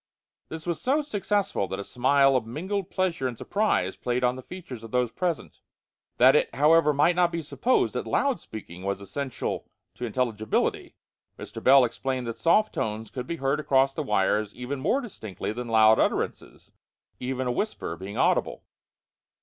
This was so successful that a smile of mingled pleasure and surprise played on the features of those present. That it, however, might not be supposed that loud speaking was essential to intelligibility, Mr. Bell explained that soft tones could be heard across the wires even more distinctly than loud utterances, even a whisper being audible.